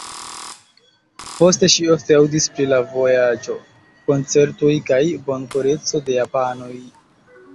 Poste ŝi ofte aŭdis pri la vojaĝo, koncertoj kaj bonkoreco de japanoj.